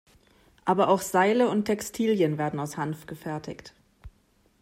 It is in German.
Aber auch Seile und Textilien werden aus Hanf gefertigt.